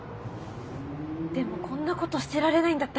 でもこんなことしてられないんだった。